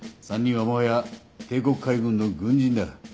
３人はもはや帝国海軍の軍人だ。